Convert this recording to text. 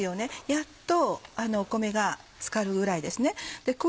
やっと米がつかるぐらいですね。